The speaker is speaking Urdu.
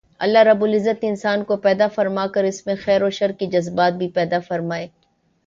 اللہ رب العزت نے انسان کو پیدا فرما کر اس میں خیر و شر کے جذبات بھی پیدا فرمائے